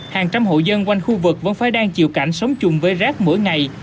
hàng trăm hộ dân quanh khu vực vẫn phải đang chịu cảnh sống chung với rác mỗi ngày